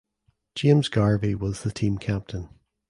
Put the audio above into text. James Garvey was the team captain.